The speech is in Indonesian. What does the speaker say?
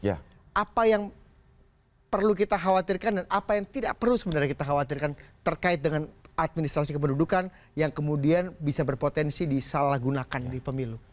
apa yang perlu kita khawatirkan dan apa yang tidak perlu sebenarnya kita khawatirkan terkait dengan administrasi kependudukan yang kemudian bisa berpotensi disalahgunakan di pemilu